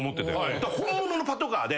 したら本物のパトカーで。